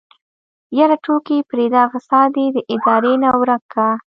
يره ټوکې پرېده فساد دې د ادارې نه ورک که.